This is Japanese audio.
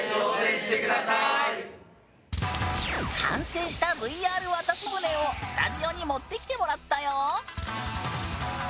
完成したＶＲ渡し舟をスタジオに持ってきてもらったよ。